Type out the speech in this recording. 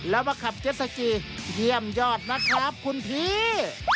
แล้วมาขับเจ็ดสกีเยี่ยมยอดนะครับคุณพี่